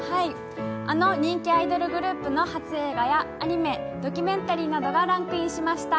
あの人気アイドルグループの初映画やドキュメンタリーなどがランクインしました。